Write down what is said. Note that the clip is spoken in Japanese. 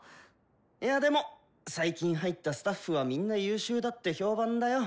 いやでも最近入ったスタッフはみんな優秀だって評判だよ。